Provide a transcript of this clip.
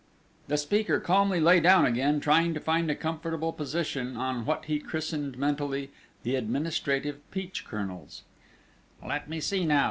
The speaker calmly lay down again, trying to find a comfortable position on what he christened mentally: "The administrative peach kernels": "Let me see, now!"